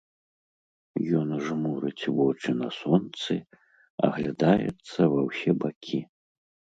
Ён жмурыць вочы на сонцы, аглядаецца ва ўсе бакі.